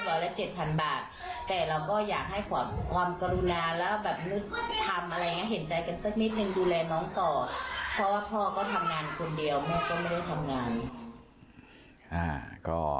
เพราะว่าพ่อก็ทำงานคนเดียวเมื่อก็ไม่ได้ทำงาน